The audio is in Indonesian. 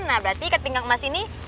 nah berarti ikat pinggang emas ini